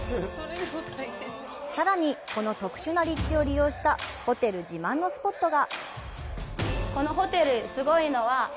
さらにこの特殊な立地を利用したホテル自慢のスポットが！